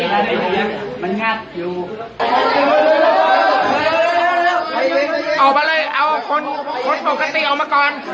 อ๋อไปเลยเอาคนคนของขธิออกมาก่อน